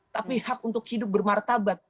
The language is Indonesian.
tapi hak untuk hidup bermartabat